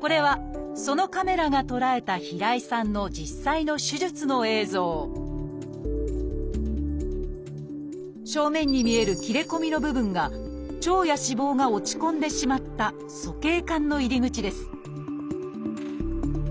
これはそのカメラが捉えた平井さんの実際の手術の映像正面に見える切れ込みの部分が腸や脂肪が落ち込んでしまった鼠径管の入り口です